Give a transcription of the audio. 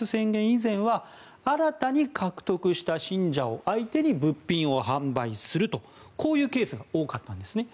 以前は新たに獲得した信者を相手に物品を販売するとこういうケースが多かったんですね。